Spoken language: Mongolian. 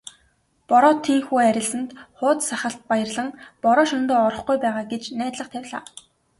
Бороо тийнхүү арилсанд хууз сахалт баярлан "Бороо шөнөдөө орохгүй байгаа" гэж найдлага тавилаа.